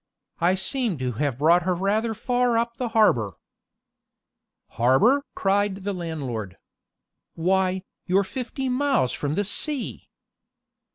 I seem to have brought her rather far up the harbor." "Harbor!" cried landlord. "Why, you're fifty miles from the sea!"